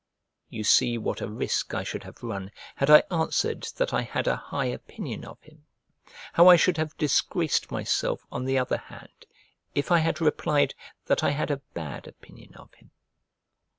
You see what a risk I should have run had I answered that I had a high opinion of him, how I should have disgraced myself on the other hand if I had replied that I had a bad opinion of him.